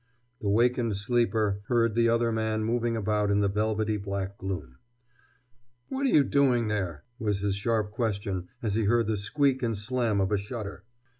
The wakened sleeper heard the other man moving about in the velvety black gloom. "What're you doing there?" was his sharp question as he heard the squeak and slam of a shutter.